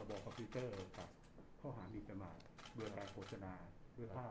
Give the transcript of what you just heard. เดี๋ยวเดี๋ยวผมบอกให้ทั้งหมดเลยผมขอให้นักข่าวไปดูจากตรงนั้นดีกว่านะ